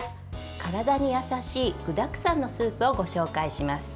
体に優しい具だくさんのスープをご紹介します。